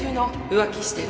浮気してる。